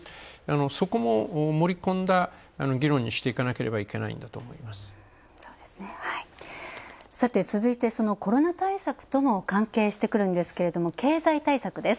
そこも盛り込んだ議論にしていかなければいけないんだと思います続いて、コロナ対策とも関係してくるんですけど、経済対策です。